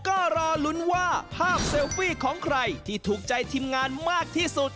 ก็รอลุ้นว่าภาพเซลฟี่ของใครที่ถูกใจทีมงานมากที่สุด